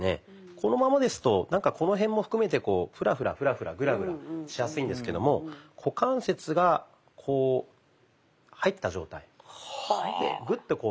このままですとこの辺も含めてフラフラフラフラグラグラしやすいんですけども股関節がこう入った状態。グッと入れた状態ですね。